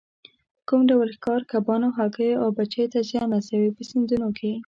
کوم ډول ښکار کبانو، هګیو او بچیو ته زیان رسوي په سیندونو کې.